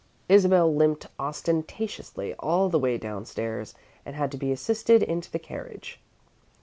Isabel limped ostentatiously all the way down stairs and had to be assisted into the carriage.